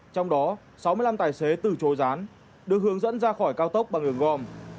trong đó sáu mươi năm tài xế từ chối rán được hướng dẫn ra khỏi cao tốc bằng đường gom